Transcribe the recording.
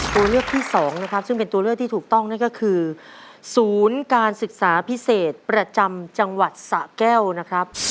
ตัวเลือกที่สองนะครับซึ่งเป็นตัวเลือกที่ถูกต้องนั่นก็คือศูนย์การศึกษาพิเศษประจำจังหวัดสะแก้วนะครับ